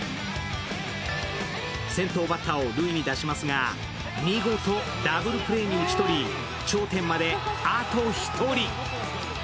先頭バッターを塁に出しますが見事、ダブルプレーに打ち取り頂点まであと１人。